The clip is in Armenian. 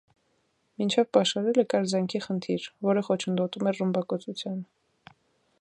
Մինչև պաշարելը կար զենքի խնդիր, որը խոչընդոտում էր ռմբակոծությանը։